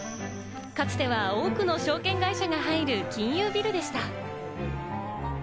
かつては多くの証券会社が入る金融ビルでした。